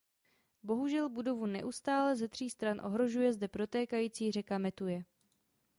Bohužel budovu neustále ze tří stran ohrožuje zde protékající řeka Metuje.